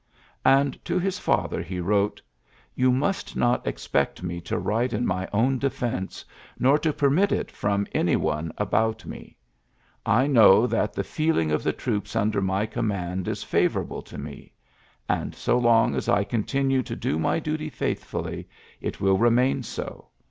'' And to his father '. wrote: "You must not expect me write in my own defence, nor to pern it from any one about me. I know th the feeling of the troops under my coi mand is favourable to me } and, so long I continue to do my duty faithfully, will remain so.